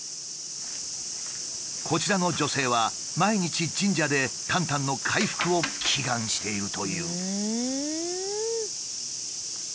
こちらの女性は毎日神社でタンタンの回復を祈願しているという。